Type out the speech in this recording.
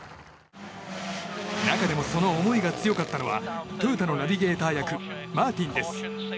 中でも、その思いが強かったのはトヨタのナビゲーター役マーティンです。